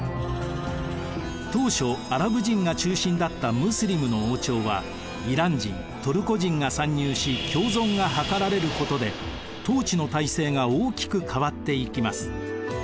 当初アラブ人が中心だったムスリムの王朝はイラン人・トルコ人が参入し共存が図られることで統治の体制が大きく変わっていきます。